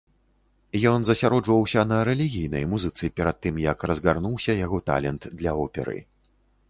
Ён засяроджваўся на рэлігійнай музыцы, перад тым як разгарнуўся яго талент для оперы.